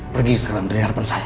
pergi sekarang dari harapan saya